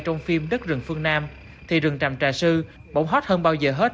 trong phim đất rừng phương nam thì rừng tràm trà sư bỗng hot hơn bao giờ hết